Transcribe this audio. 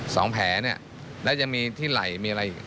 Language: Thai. สองแผลเนี่ยแล้วยังมีที่ไหล่มีอะไรอีก